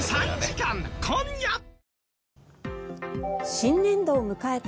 新年度を迎えた